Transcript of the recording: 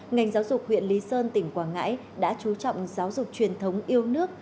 ngành giáo dục huyện lý sơn tỉnh quảng ngãi đã chú trọng giáo dục truyền thống yêu nước